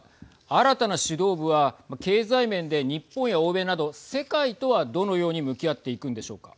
新たな指導部は経済面で日本や欧米など世界とは、どのように向き合っていくんでしょうか。